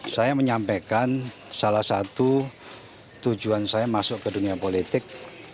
saya menyampaikan salah satu tujuan saya masuk ke dunia politik